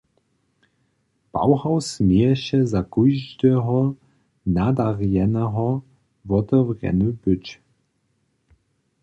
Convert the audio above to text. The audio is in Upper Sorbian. Bauhaus měješe za kóždeho nadarjeneho wotewrjeny być.